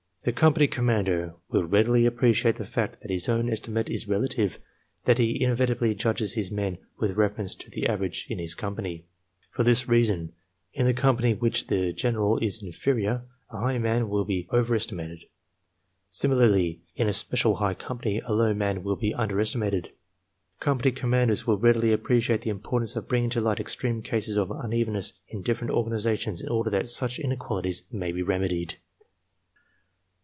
The company commander will readily appreciate the fact that his own esti mate is relative; that he inevitably judges his men with refer ence to the average in his company. For this reason in the company which in general is inferior a high man will be over estimated. Similarly, in a specially high company a low man will be underestimated. Company commanders will readily appreciate the importance of bringing to light extreme cases of unevenness in different organizations in order that such inequalities may be remedied.